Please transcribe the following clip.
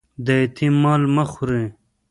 د یتيم مال مه خوري